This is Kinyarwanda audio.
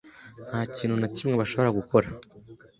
Nta kintu na kimwe bashobora gukora?